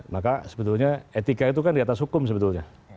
maka sebetulnya etika itu kan diatas hukum sebetulnya